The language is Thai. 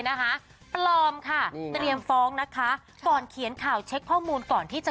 นะคะปลอมค่ะเตรียมฟ้องนะคะก่อนเขียนข่าวเช็คข้อมูลก่อนที่จะ